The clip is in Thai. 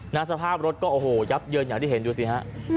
สภาพรถก็โอ้โหยับเยินอย่างที่เห็นดูสิฮะ